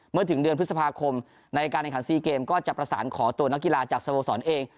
เมื่อถึงเดือนพฤษภาคมในการแข่ง๔เกมก็จะประสานขอตัวนักกีฬาจากสะโวสอนเอง